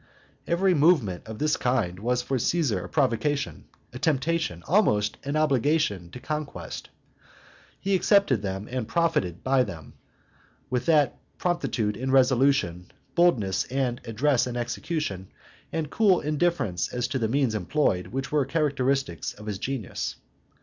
Every movement of the kind was for Caesar a provocation, a temptation, almost an obligation to conquest. He accepted them and profited by them, with that promptitude in resolution, boldness and address in execution, and cool indifference as to the means employed, which were characteristic of his genius.